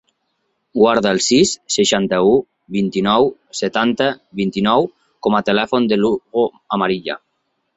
Guarda el sis, seixanta-u, vint-i-nou, setanta, vint-i-nou com a telèfon de l'Hugo Amarilla.